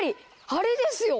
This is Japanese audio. あれですよ！